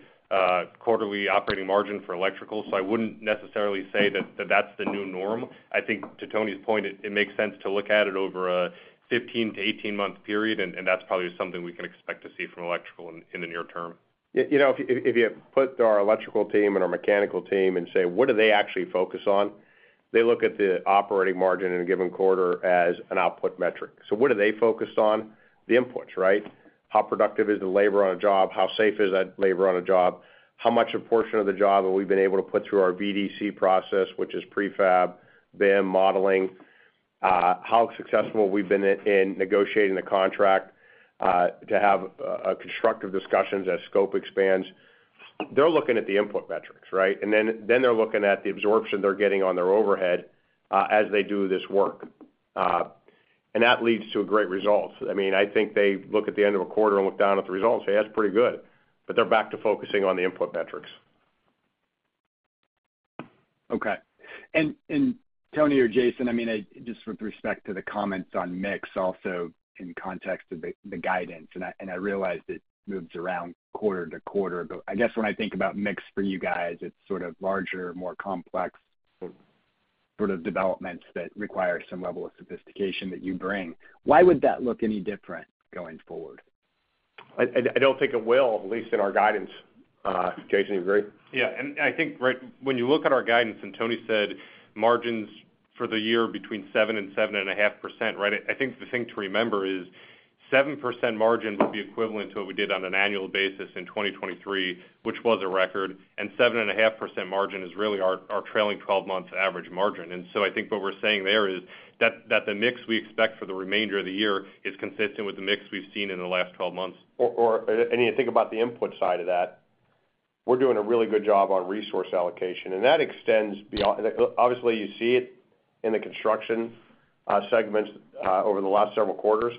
quarterly operating margin for electrical. So I wouldn't necessarily say that that's the new norm. I think, to Tony's point, it makes sense to look at it over a 15-18-month period. And that's probably something we can expect to see from Electrical in the near term. If you put our electrical team and our mechanical team and say, "What do they actually focus on?" They look at the operating margin in a given quarter as an output metric. So what do they focus on? The inputs, right? How productive is the labor on a job? How safe is that labor on a job? How much a portion of the job have we been able to put through our VDC process, which is prefab, BIM, modeling? How successful have we been in negotiating the contract to have constructive discussions as scope expands? They're looking at the input metrics, right? And then they're looking at the absorption they're getting on their overhead as they do this work. And that leads to a great result. I mean, I think they look at the end of a quarter and look down at the results. Hey, that's pretty good. But they're back to focusing on the input metrics. Okay. And Tony or Jason, I mean, just with respect to the comments on mix also in context of the guidance. And I realize it moves around quarter to quarter. But I guess when I think about mix for you guys, it's sort of larger, more complex sort of developments that require some level of sophistication that you bring. Why would that look any different going forward? I don't think it will, at least in our guidance. Jason, you agree? Yeah. And I think, right, when you look at our guidance, and Tony said margins for the year between 7% and 7.5%, right, I think the thing to remember is 7% margin would be equivalent to what we did on an annual basis in 2023, which was a record. And 7.5% margin is really our trailing 12-month average margin. And so I think what we're saying there is that the mix we expect for the remainder of the year is consistent with the mix we've seen in the last 12 months. Or I mean, think about the input side of that. We're doing a really good job on resource allocation. And that extends beyond obviously, you see it in the construction segments over the last several quarters.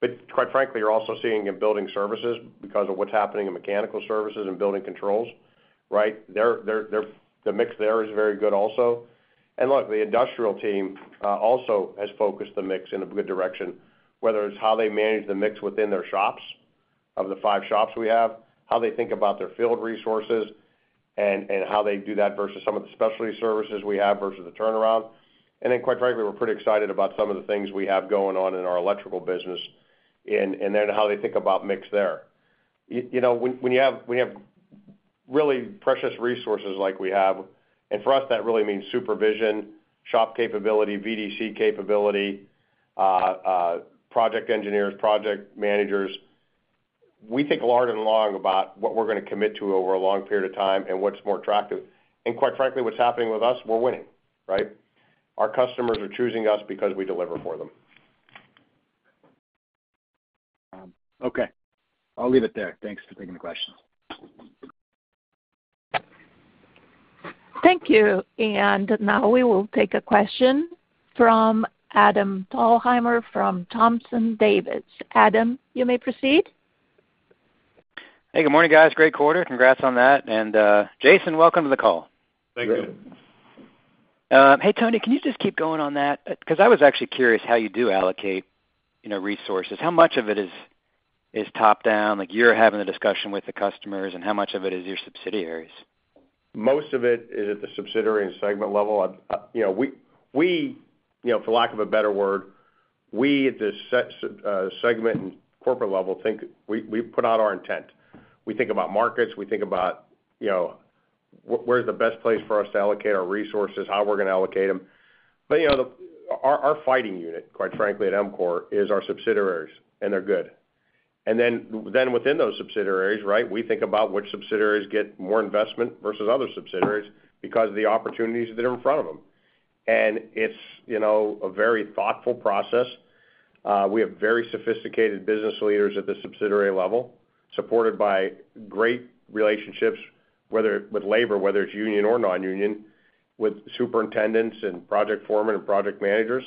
But quite frankly, you're also seeing it in building services because of what's happening in Mechanical Services and building controls, right? The mix there is very good also. And look, the industrial team also has focused the mix in a good direction, whether it's how they manage the mix within their shops of the five shops we have, how they think about their field resources, and how they do that versus some of the specialty services we have versus the turnaround. And then, quite frankly, we're pretty excited about some of the things we have going on in our Electrical business and then how they think about mix there. When you have really precious resources like we have and for us, that really means supervision, shop capability, VDC capability, project engineers, project managers, we think hard and long about what we're going to commit to over a long period of time and what's more attractive. And quite frankly, what's happening with us, we're winning, right? Our customers are choosing us because we deliver for them. Okay. I'll leave it there. Thanks for taking the questions. Thank you. And now, we will take a question from Adam Thalhimer from Thompson Davis. Adam, you may proceed. Hey. Good morning, guys. Great quarter. Congrats on that. Jason, welcome to the call. Thank you. Hey, Tony, can you just keep going on that? Because I was actually curious how you do allocate resources. How much of it is top-down? You're having the discussion with the customers. And how much of it is your subsidiaries? Most of it is at the subsidiary and segment level. We, for lack of a better word, we at the segment and corporate level think we put out our intent. We think about markets. We think about where's the best place for us to allocate our resources, how we're going to allocate them. But our fighting unit, quite frankly, at EMCOR is our subsidiaries. And they're good. And then within those subsidiaries, right, we think about which subsidiaries get more investment versus other subsidiaries because of the opportunities that are in front of them. And it's a very thoughtful process. We have very sophisticated business leaders at the subsidiary level supported by great relationships, whether with labor, whether it's union or non-union, with superintendents and project foreman and project managers.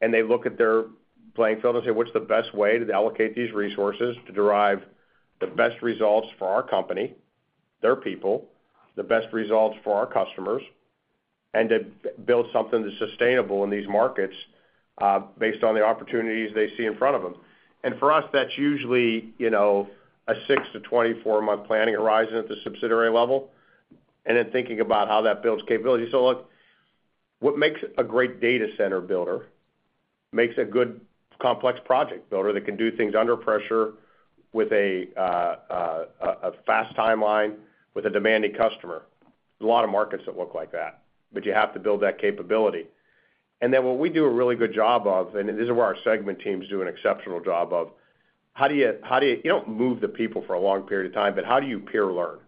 And they look at their playing field and say, "What's the best way to allocate these resources to derive the best results for our company, their people, the best results for our customers, and to build something that's sustainable in these markets based on the opportunities they see in front of them?" And for us, that's usually a 6-24-month planning horizon at the subsidiary level and then thinking about how that builds capability. So look, what makes a great data center builder makes a good complex project builder that can do things under pressure with a fast timeline with a demanding customer. There's a lot of markets that look like that. But you have to build that capability. And then what we do a really good job of and this is where our segment teams do an exceptional job of how do you don't move the people for a long period of time. But how do you peer learn?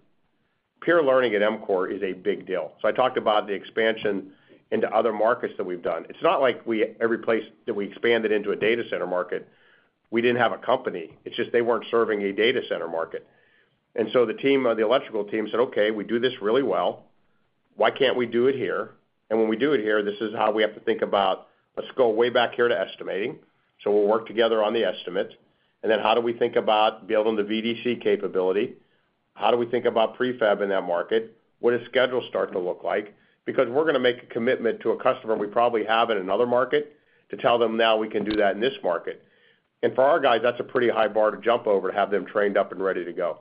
Peer learning at EMCOR is a big deal. So I talked about the expansion into other markets that we've done. It's not like every place that we expanded into a data center market, we didn't have a company. It's just they weren't serving a data center market. And so the electrical team said, "Okay. We do this really well. Why can't we do it here? And when we do it here, this is how we have to think about a scope way back here to estimating. So we'll work together on the estimate. And then how do we think about building the VDC capability? How do we think about prefab in that market? What does schedule start to look like?" Because we're going to make a commitment to a customer we probably have in another market to tell them, "Now, we can do that in this market." And for our guys, that's a pretty high bar to jump over to have them trained up and ready to go.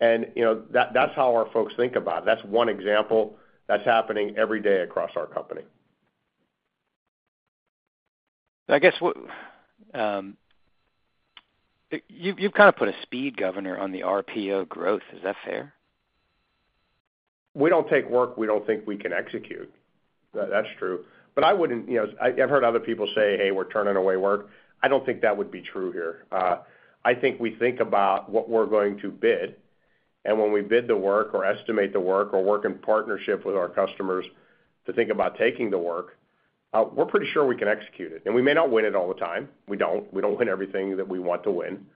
And that's how our folks think about it. That's one example that's happening every day across our company. I guess you've kind of put a speed governor on the RPO growth. Is that fair? We don't take work we don't think we can execute. That's true. But I wouldn't. I've heard other people say, "Hey, we're turning away work." I don't think that would be true here. I think we think about what we're going to bid. And when we bid the work or estimate the work or work in partnership with our customers to think about taking the work, we're pretty sure we can execute it. And we may not win it all the time. We don't. We don't win everything that we want to win.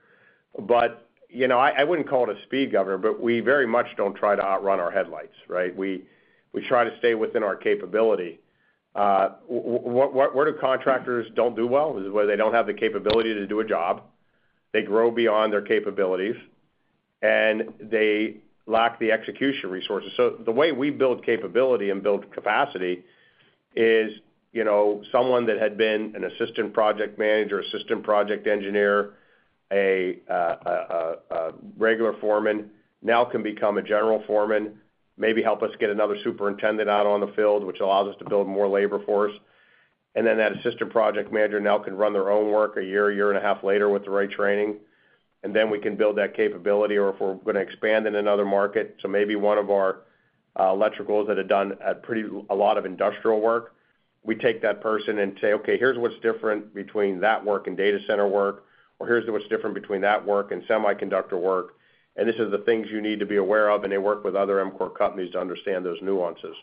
But I wouldn't call it a speed governor. But we very much don't try to outrun our headlights, right? We try to stay within our capability. Where do contractors don't do well is where they don't have the capability to do a job. They grow beyond their capabilities. And they lack the execution resources. So the way we build capability and build capacity is someone that had been an assistant project manager, assistant project engineer, a regular foreman now can become a general foreman, maybe help us get another superintendent out on the field, which allows us to build more labor force. And then that assistant project manager now can run their own work a year, year and a half later with the right training. And then we can build that capability. Or if we're going to expand in another market, so maybe one of our electricals that had done a lot of industrial work, we take that person and say, "Okay. Here's what's different between that work and data center work. Or here's what's different between that work and semiconductor work. And this are the things you need to be aware of." And they work with other EMCOR companies to understand those nuances.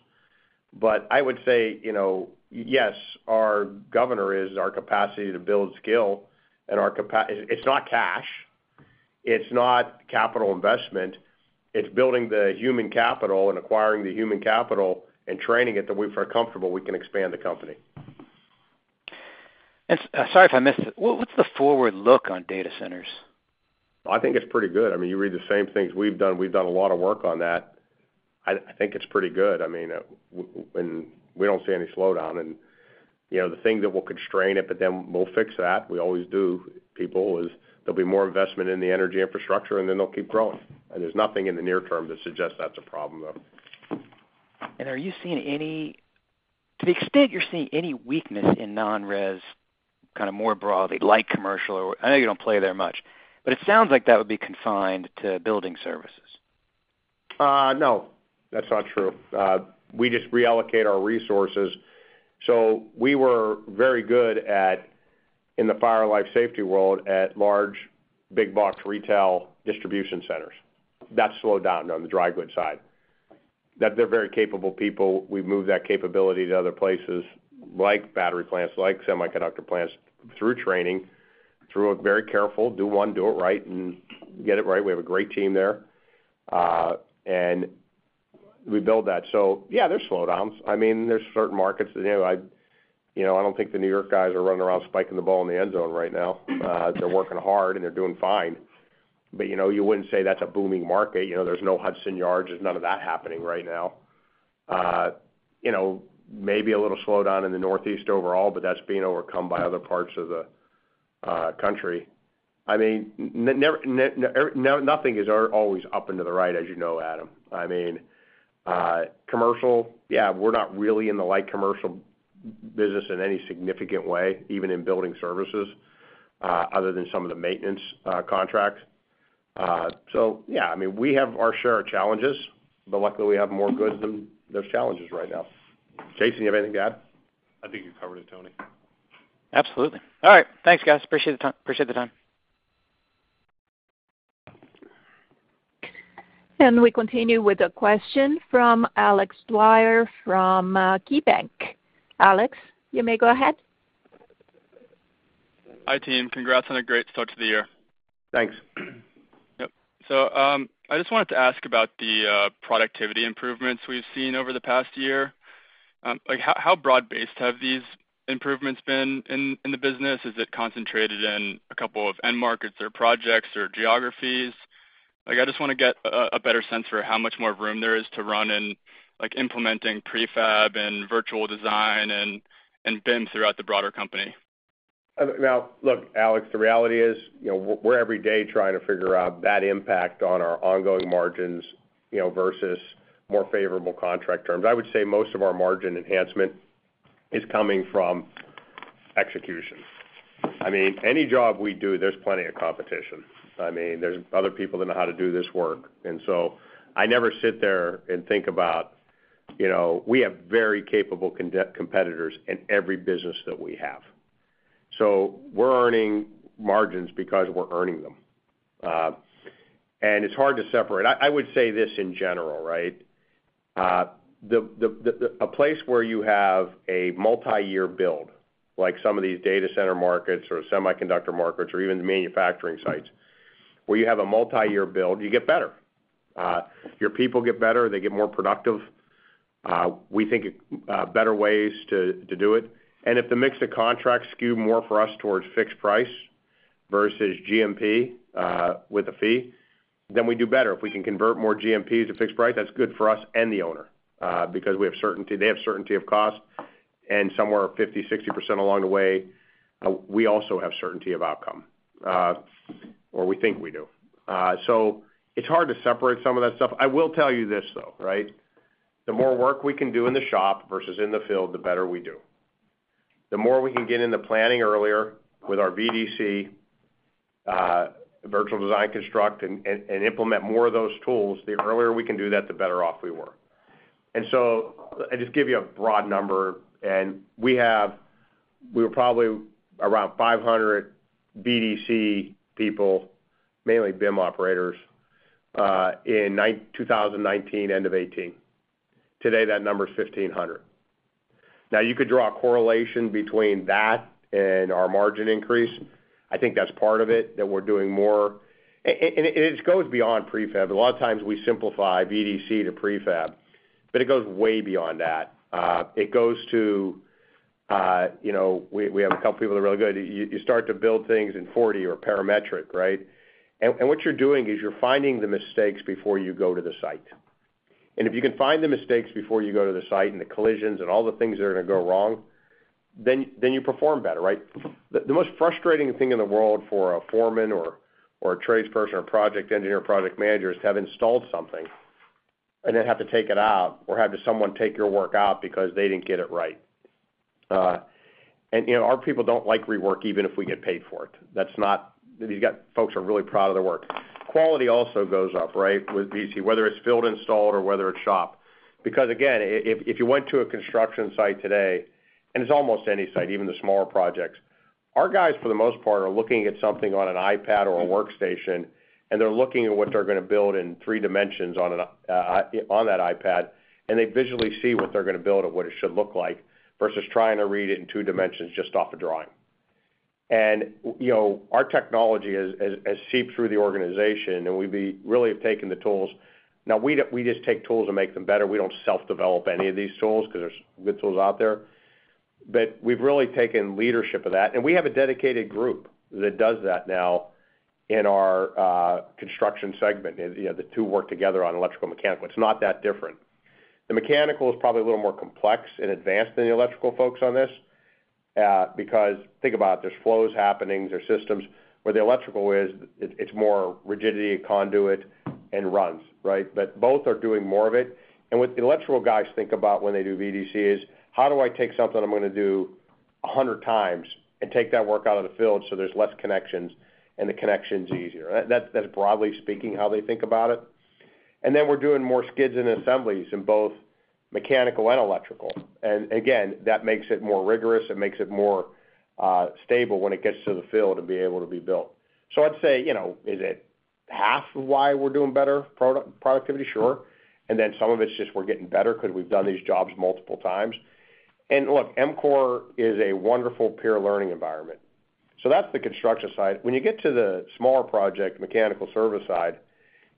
But I would say, yes, our governor is our capacity to build skill. And it's not cash. It's not capital investment. It's building the human capital and acquiring the human capital and training it that we feel comfortable we can expand the company. Sorry if I missed it. What's the forward look on data centers? I think it's pretty good. I mean, you read the same things we've done. We've done a lot of work on that. I think it's pretty good. I mean, we don't see any slowdown. The thing that will constrain it, but then we'll fix that, we always do, people, is there'll be more investment in the energy infrastructure. Then they'll keep growing. There's nothing in the near term that suggests that's a problem, though. Are you seeing any to the extent you're seeing any weakness in non-res kind of more broadly, like commercial or I know you don't play there much? But it sounds like that would be confined to building services. No. That's not true. We just reallocate our resources. So we were very good in the fire life safety world at large, big-box retail distribution centers. That slowed down on the dry goods side. They're very capable people. We've moved that capability to other places, like battery plants, like semiconductor plants, through training, through a very careful, "Do one. Do it right. And get it right." We have a great team there. And we build that. So yeah, there's slowdowns. I mean, there's certain markets that I don't think the New York guys are running around spiking the ball in the end zone right now. They're working hard. And they're doing fine. But you wouldn't say that's a booming market. There's no Hudson Yards. There's none of that happening right now. Maybe a little slowdown in the Northeast overall. But that's being overcome by other parts of the country. I mean, nothing is always up and to the right, as you know, Adam. I mean, commercial, yeah, we're not really in the light commercial business in any significant way, even in building services other than some of the maintenance contracts. So yeah, I mean, we have our share of challenges. But luckily, we have more goods than there's challenges right now. Jason, do you have anything to add? I think you covered it, Tony. Absolutely. All right. Thanks, guys. Appreciate the time. We continue with a question from Alex Dwyer from KeyBanc. Alex, you may go ahead. Hi, team. Congrats on a great start to the year. Thanks. Yep. So I just wanted to ask about the productivity improvements we've seen over the past year. How broad-based have these improvements been in the business? Is it concentrated in a couple of end markets or projects or geographies? I just want to get a better sense for how much more room there is to run in implementing prefab and virtual design and BIM throughout the broader company. Now, look, Alex, the reality is we're every day trying to figure out that impact on our ongoing margins versus more favorable contract terms. I would say most of our margin enhancement is coming from execution. I mean, any job we do, there's plenty of competition. I mean, there's other people that know how to do this work. And so I never sit there and think about we have very capable competitors in every business that we have. So we're earning margins because we're earning them. And it's hard to separate. I would say this in general, right? A place where you have a multiyear build, like some of these data center markets or semiconductor markets or even the manufacturing sites, where you have a multiyear build, you get better. Your people get better. They get more productive. We think better ways to do it. And if the mixed contract skew more for us towards fixed price versus GMP with a fee, then we do better. If we can convert more GMPs to fixed price, that's good for us and the owner because we have certainty. They have certainty of cost. And somewhere 50%-60% along the way, we also have certainty of outcome or we think we do. So it's hard to separate some of that stuff. I will tell you this, though, right? The more work we can do in the shop versus in the field, the better we do. The more we can get in the planning earlier with our VDC, Virtual Design and Construction, and implement more of those tools, the earlier we can do that, the better off we were. And so I just give you a broad number. We were probably around 500 VDC people, mainly BIM operators, in 2019, end of 2018. Today, that number's 1,500. Now, you could draw a correlation between that and our margin increase. I think that's part of it, that we're doing more. And it goes beyond prefab. A lot of times, we simplify VDC to prefab. But it goes way beyond that. It goes to we have a couple of people that are really good. You start to build things in 4D or parametric, right? And what you're doing is you're finding the mistakes before you go to the site. And if you can find the mistakes before you go to the site and the collisions and all the things that are going to go wrong, then you perform better, right? The most frustrating thing in the world for a foreman or a tradesperson or project engineer or project manager is to have installed something and then have to take it out or have someone take your work out because they didn't get it right. And our people don't like rework even if we get paid for it. These folks are really proud of their work. Quality also goes up, right, with VDC, whether it's field installed or whether it's shop. Because again, if you went to a construction site today and it's almost any site, even the smaller projects, our guys, for the most part, are looking at something on an iPad or a workstation. And they're looking at what they're going to build in 3D on that iPad. They visually see what they're going to build and what it should look like versus trying to read it in 2D just off a drawing. Our technology has seeped through the organization. We really have taken the tools now, we just take tools and make them better. We don't self-develop any of these tools because there's good tools out there. But we've really taken leadership of that. We have a dedicated group that does that now in our construction segment. The two work together on Electrical and Mechanical. It's not that different. The mechanical is probably a little more complex and advanced than the electrical folks on this because think about it. There's flows happening. There's systems. Where the electrical is, it's more rigidity and conduit and runs, right? But both are doing more of it. And what the electrical guys think about when they do VDC is, "How do I take something I'm going to do 100 times and take that work out of the field so there's less connections? And the connection's easier." That's, broadly speaking, how they think about it. And then we're doing more skids and assemblies in both mechanical and electrical. And again, that makes it more rigorous. It makes it more stable when it gets to the field and be able to be built. So I'd say, is it half of why we're doing better, productivity? Sure. And then some of it's just we're getting better because we've done these jobs multiple times. And look, EMCOR is a wonderful peer learning environment. So that's the construction side. When you get to the smaller project, mechanical service side,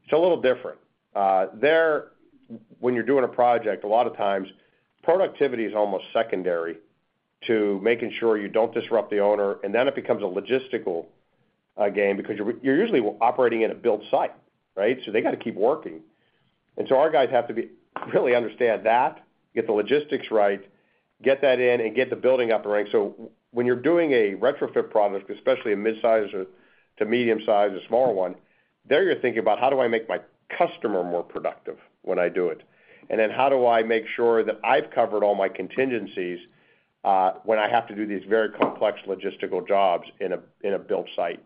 it's a little different. When you're doing a project, a lot of times, productivity is almost secondary to making sure you don't disrupt the owner. And then it becomes a logistical game because you're usually operating in a built site, right? So they got to keep working. And so our guys have to really understand that, get the logistics right, get that in, and get the building up and running. So when you're doing a retrofit product, especially a midsize to medium-size or smaller one, there you're thinking about, "How do I make my customer more productive when I do it? And then how do I make sure that I've covered all my contingencies when I have to do these very complex logistical jobs in a built site?"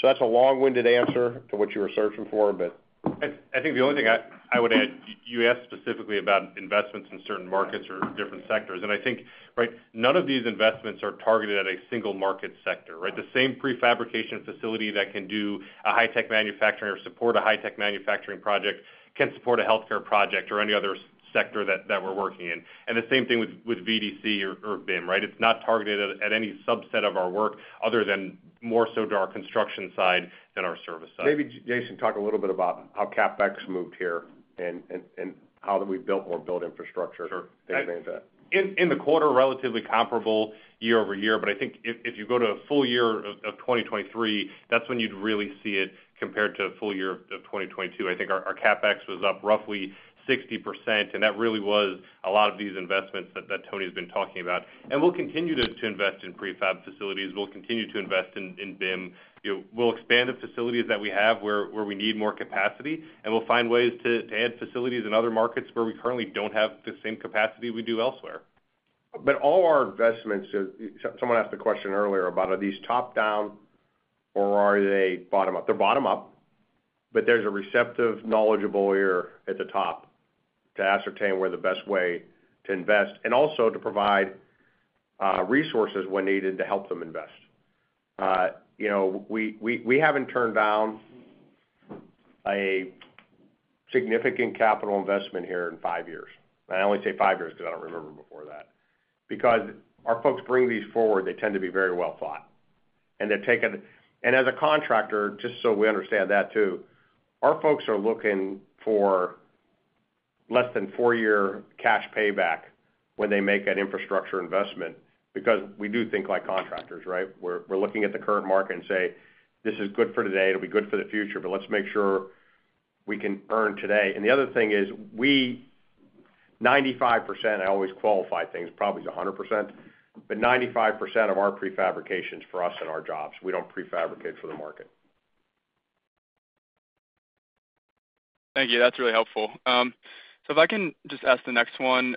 So that's a long-winded answer to what you were searching for. But. I think the only thing I would add, you asked specifically about investments in certain markets or different sectors. And I think, right, none of these investments are targeted at a single market sector, right? The same prefabrication facility that can do a high-tech manufacturing or support a high-tech manufacturing project can support a healthcare project or any other sector that we're working in. And the same thing with VDC or BIM, right? It's not targeted at any subset of our work other than more so to our construction side than our service side. Maybe Jason talk a little bit about how CapEx moved here and how that we've built more built infrastructure. Sure. They advanced that. In the quarter, relatively comparable year over year. But I think if you go to a full year of 2023, that's when you'd really see it compared to a full year of 2022. I think our CapEx was up roughly 60%. And that really was a lot of these investments that Tony's been talking about. And we'll continue to invest in prefab facilities. We'll continue to invest in BIM. We'll expand the facilities that we have where we need more capacity. And we'll find ways to add facilities in other markets where we currently don't have the same capacity we do elsewhere. But all our investments, someone asked the question earlier about, are these top-down or are they bottom-up? They're bottom-up. But there's a receptive, knowledgeable ear at the top to ascertain where the best way to invest and also to provide resources when needed to help them invest. We haven't turned down a significant capital investment here in five years. And I only say five years because I don't remember before that because our folks bring these forward. They tend to be very well thought. And they've taken and as a contractor, just so we understand that too, our folks are looking for less than four-year cash payback when they make an infrastructure investment because we do think like contractors, right? We're looking at the current market and say, "This is good for today. It'll be good for the future. But let's make sure we can earn today." And the other thing is 95%. I always qualify things. Probably it's 100%. But 95% of our prefabrication's for us and our jobs. We don't prefabricate for the market. Thank you. That's really helpful. So if I can just ask the next one,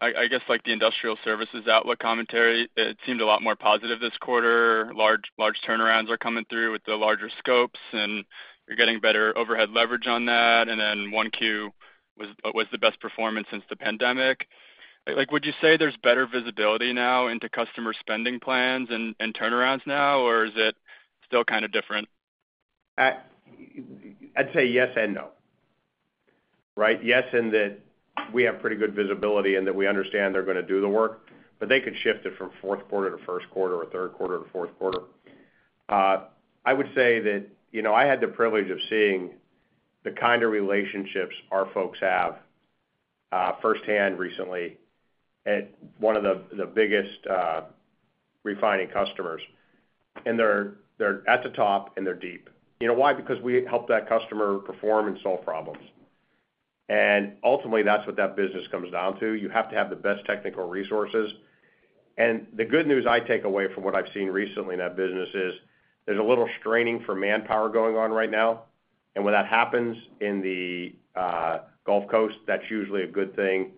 I guess the Industrial Services outlook commentary. It seemed a lot more positive this quarter. Large turnarounds are coming through with the larger scopes. And you're getting better overhead leverage on that. And then 1Q was the best performance since the pandemic. Would you say there's better visibility now into customer spending plans and turnarounds now? Or is it still kind of different? I'd say yes and no, right? Yes in that we have pretty good visibility and that we understand they're going to do the work. But they could shift it from fourth quarter to first quarter or third quarter to fourth quarter. I would say that I had the privilege of seeing the kind of relationships our folks have firsthand recently at one of the biggest refining customers. And they're at the top. And they're deep. Why? Because we help that customer perform and solve problems. And ultimately, that's what that business comes down to. You have to have the best technical resources. And the good news I take away from what I've seen recently in that business is there's a little straining for manpower going on right now. And when that happens in the Gulf Coast, that's usually a good thing.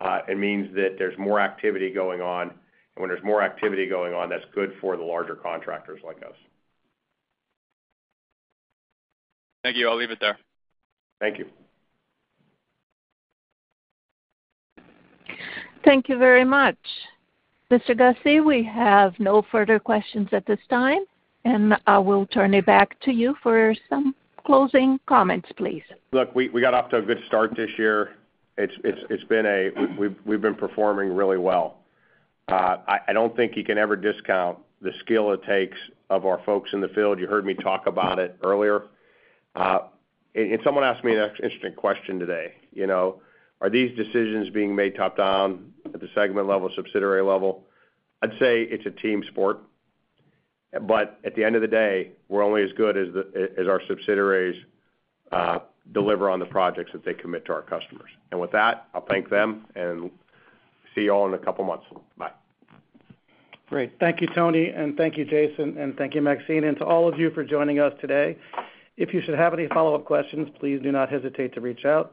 It means that there's more activity going on. When there's more activity going on, that's good for the larger contractors like us. Thank you. I'll leave it there. Thank you. Thank you very much. Mr. Guzzi, we have no further questions at this time. I will turn it back to you for some closing comments, please. Look, we got off to a good start this year. We've been performing really well. I don't think you can ever discount the skill it takes of our folks in the field. You heard me talk about it earlier. And someone asked me an interesting question today. Are these decisions being made top-down at the segment level, subsidiary level? I'd say it's a team sport. But at the end of the day, we're only as good as our subsidiaries deliver on the projects that they commit to our customers. And with that, I'll thank them and see you all in a couple of months. Bye. Great. Thank you, Tony. Thank you, Jason. Thank you, Maxine. To all of you for joining us today, if you should have any follow-up questions, please do not hesitate to reach out.